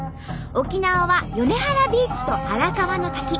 沖縄は米原ビーチと荒川の滝。